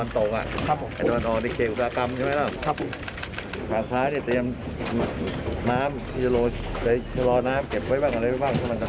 ตอบหน่อยตอบขอเดี๋ยว